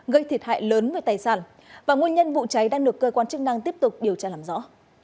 gây thiệt hại lớn về tài sản và nguyên nhân vụ cháy đang được cơ quan chức năng tiếp tục điều tra làm rõ